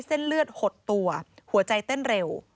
เส้นเลือดหดตัวหัวใจเต้นเร็ว